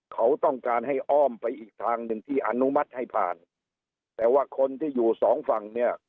เขาต้องการให้อ้อมไปอีกทางหนึ่งที่อนุมัติให้ผ่านแต่ว่าคนที่อยู่สองฝั่งเนี่ย